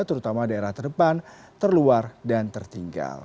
terutama daerah terdepan terluar dan tertinggal